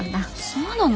そうなの？